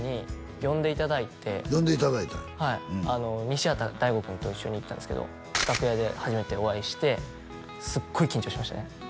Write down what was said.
西畑大吾君と一緒に行ったんですけど楽屋で初めてお会いしてすごい緊張しましたね